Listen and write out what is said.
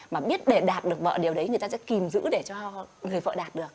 mà biết để đạt được mọi điều đấy người ta sẽ kìm giữ để cho người vợ đạt được